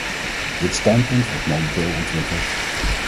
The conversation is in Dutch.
Dit standpunt wordt momenteel ontwikkeld.